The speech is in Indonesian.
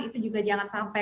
itu juga jangan sampai